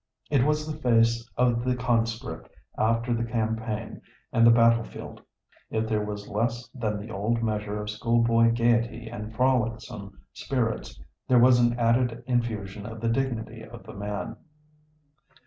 It was the face of the conscript after the campaign and the battle field. If there was less than the old measure of schoolboy gaiety and frolicsome spirits, there was an added infusion of the dignity of the man.